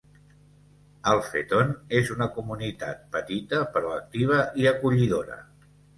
Alpheton és una comunitat petita, però activa i acollidora.